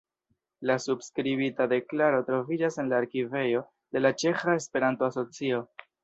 La subskribita deklaro troviĝas en la arkivejo de la Ĉeĥa Esperanto-Asocio.